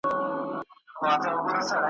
نه هیڅ خت ورته قسمت هسي خندلي ,